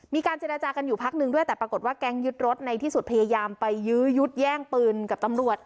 มีการเจรจากันอยู่พักนึงด้วยแต่ปรากฏว่าแก๊งยึดรถในที่สุดพยายามไปยื้อยุดแย่งปืนกับตำรวจ